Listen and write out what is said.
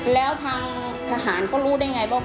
แล้วทางทหารเขารู้ได้ไงบ้าง